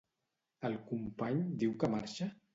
El company diu que marxa?